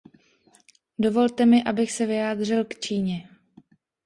Dovolte mi, abych se vyjádřil k Číně.